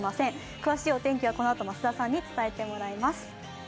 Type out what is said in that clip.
詳しいお天気はこのあと、増田さんに伝えてもらいます。